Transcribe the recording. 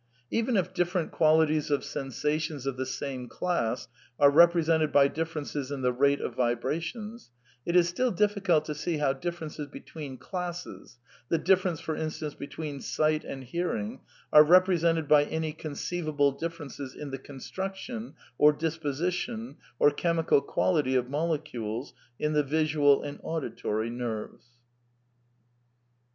Even if different qualities of sensations of the same class are represented by differences in the rate of vibra tions, it is still diflScult to see how differences between classes — the difference, for instance, between sight and hearing — are represented by any conceivable differences in the construction, or disposition, or chemical quality of imolecules in the visual and auditory nerves.